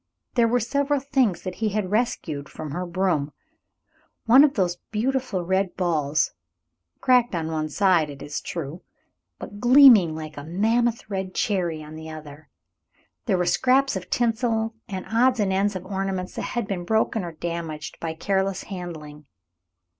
There were several things that he had rescued from her broom, one of those beautiful red balls, cracked on one side it is true, but gleaming like a mammoth red cherry on the other. There were scraps of tinsel and odds and ends of ornaments that had been broken or damaged by careless handling.